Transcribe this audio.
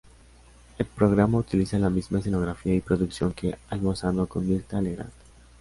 El programa utiliza la misma escenografía y producción que Almorzando con Mirtha Legrand.